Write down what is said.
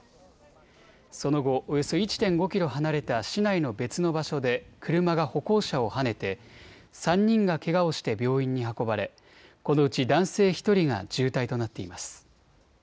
その後、およそ１．５キロ離れた市内の別の場所で車が歩行者をはねて３人がけがをして病院に運ばれ、このうち男性１人が重体となっています。